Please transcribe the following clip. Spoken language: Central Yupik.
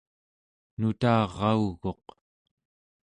nutarauguq